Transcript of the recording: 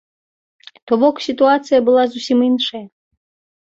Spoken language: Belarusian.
То бок сітуацыя была зусім іншая.